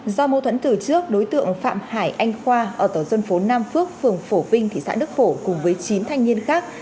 do mâu thuẫn từ trước đối tượng phạm hải anh khoa ở tổ dân phố nam phước phường phổ vinh thị xã đức phổ cùng với chín thanh niên khác